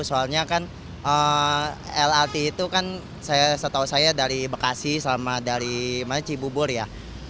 soalnya kan lrt itu kan setahu saya dari bekasi sama dari cibubur ya